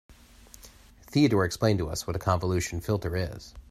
Theodore explained to us what a convolution filter is.